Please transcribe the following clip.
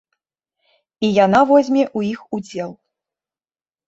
І яна возьме ў іх удзел.